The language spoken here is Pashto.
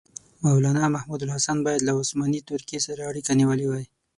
مولنا محمودالحسن باید له عثماني ترکیې سره اړیکه نیولې وای.